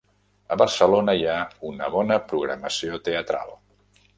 A Barcelona hi ha una bona programació teatral.